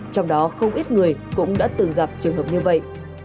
trong đó không ít người cũng đã từng gặp trường hợp như vậy